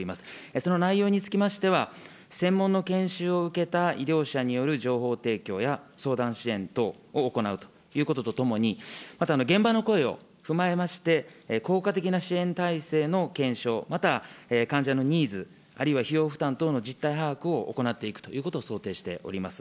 その内容につきましては、専門の研修を受けた医療者による情報提供や、相談支援等を行うということとともに、また現場の声を踏まえまして、効果的な支援体制の検証、また患者のニーズ、あるいは費用負担等の実態把握を行っていくということを想定しております。